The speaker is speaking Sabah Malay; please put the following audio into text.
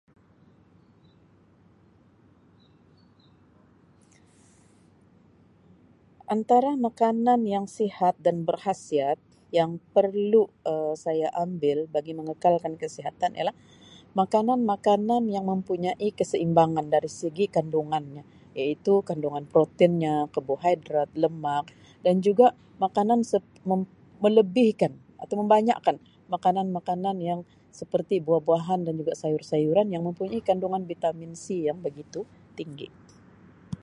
Antara makanan yang sihat dan berkhasiat yang perlu Um saya ambil bagi mengekalkan kesihatan ialah makanan-makanan yang mempunyai keseimbangan dari segi kandungannya iaitu kandungan proteinnya, kabohidrat, lemak dan juga makanan sep mem-melebihkan atau membanyakkan makanan-makanan yang seperti buah-buahan dan juga sayur sayuran yang mempunyai kandungan vitamin C yang begitu tinggi.